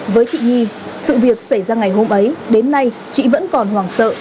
với chị nhi sự việc xảy ra ngày hôm ấy đến nay chị vẫn còn hoảng sợ